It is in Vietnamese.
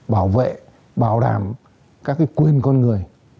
bảo vệ bảo đảm các quyền con người